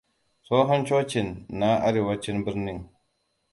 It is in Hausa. Tsohon cocin na arewacin birnin.